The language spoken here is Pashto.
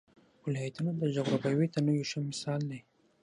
ولایتونه د جغرافیوي تنوع یو ښه مثال دی.